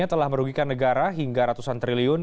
telah merugikan negara hingga ratusan triliun